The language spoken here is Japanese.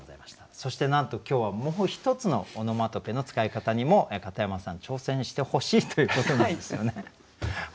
そしてなんと今日はもう一つのオノマトペの使い方にも片山さん挑戦してほしいということなんですよね。